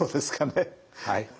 はい。